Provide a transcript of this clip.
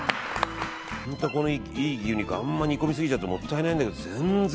本当に、このいい牛肉あんまり煮込みすぎちゃうともったいないんだけど、全然。